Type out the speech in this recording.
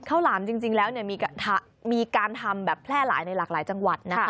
ข้าวหลามจริงแล้วมีการทำแพร่หลายในหลากหลายจังหวัด